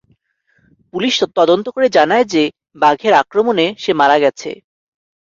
Police তদন্ত করে জানায় যে বাঘের আক্রমণে সে মারা গেছে।